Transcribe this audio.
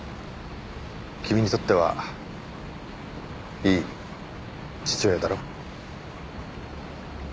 君にとってはいい父親だろ？